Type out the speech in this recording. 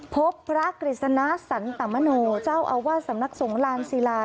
พบพระกฤษณะสันตมโนเจ้าอาวาสสำนักสงฆ์ลานศิลา